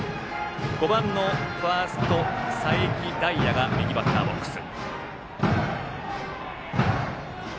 ５番ファースト、佐伯大優が右バッターボックス。